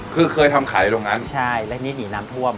คือเคยทำขายตรงนั้นใช่แล้วทีนี้หนีน้ำท่วม